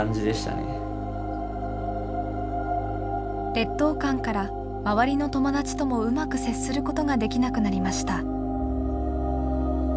劣等感から周りの友達ともうまく接することができなくなりました。